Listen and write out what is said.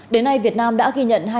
đến nay việt nam đã ghi nhận